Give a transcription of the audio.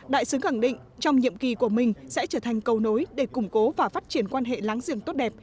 đại sứ khẳng định trong nhiệm kỳ của mình sẽ trở thành cầu nối để củng cố và phát triển quan hệ láng giềng tốt đẹp